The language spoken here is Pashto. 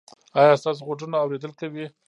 ایا ستاسو غوږونه اوریدل کوي؟